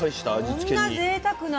こんなぜいたくな。